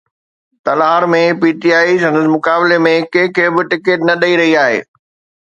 Talhar ۾ P T I سندس مقابلي ۾ ڪنهن کي به ٽڪيٽ نه ڏئي رهي آهي.